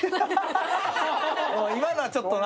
今のはちょっとな。